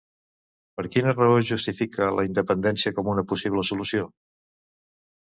Per quina raó justifica la independència com una possible solució?